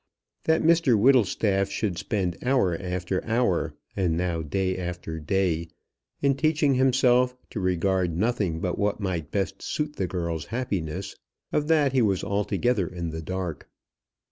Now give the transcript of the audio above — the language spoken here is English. That Mr Whittlestaff should spend hour after hour, and now day after day, in teaching himself to regard nothing but what might best suit the girl's happiness, of that he was altogether in the dark.